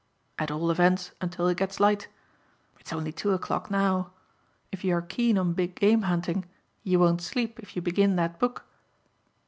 "At all events until it gets light. It's only two o'clock now. If you are keen on big game hunting you won't sleep if you begin that book."